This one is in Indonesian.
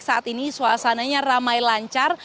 saat ini suasananya ramai lancar